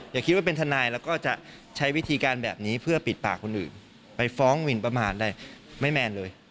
อย่าคิดว่าเป็นทนายแล้วก็จะใช้วิธีการแบบนี้เพื่อปิดปากคนอื่นไปฟ้องหมินประมาทอะไรไม่แมนเลย